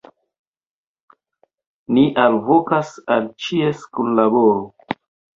Ni alvokas al ĉies kunlaboro.